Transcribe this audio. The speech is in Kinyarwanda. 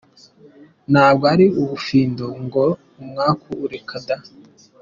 Ntabwo ari ubufindo ngo ni umwaku, reka da!